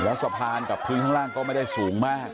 แล้วสะพานกับพื้นข้างล่างก็ไม่ได้สูงมาก